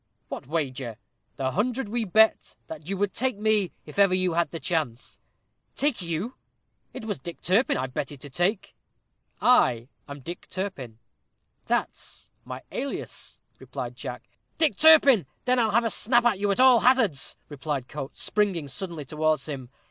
"What wager?" "The hundred we bet that you would take me if ever you had the chance." "Take you! it was Dick Turpin I betted to take." "I am DICK TURPIN that's my alias!" replied Jack. "Dick Turpin! then I'll have a snap at you at all hazards," cried Coates, springing suddenly towards him.